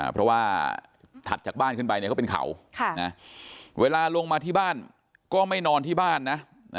เพราะว่าถัดจากบ้านขึ้นไปก็เป็นเขาเวลาลงมาที่บ้านก็ไม่นอนที่บ้านนะ